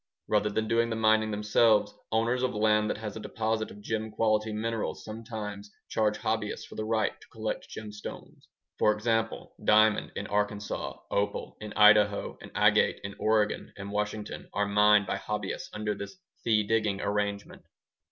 Rather than doing the mining themselves, owners of land that has a deposit of gem quality minerals sometimes charge hobbyists for the right to collect gemstones. For example, diamond in Arkansas, opal in Idaho, and agate in Oregon and Washington are mined by hobbyists under this ŌĆ£fee diggingŌĆØ arrangement.